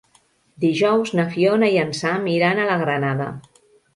Dijous na Fiona i en Sam iran a la Granada.